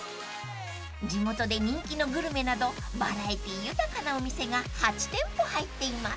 ［地元で人気のグルメなどバラエティー豊かなお店が８店舗入っています］